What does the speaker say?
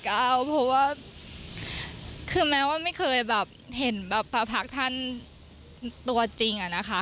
เพราะว่าคือแม้ว่าไม่เคยเห็นประพักษณ์ท่านตัวจริงนะคะ